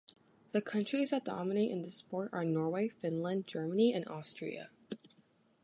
The countries that dominate in this sport are Norway, Finland, Germany and Austria.